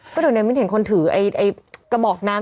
ก็เดี๋ยวนี้มิ้นเห็นคนถือกระบอกน้ำ